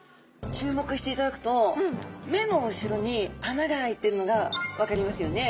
注目していただくと目の後ろに穴が開いてるのが分かりますよね。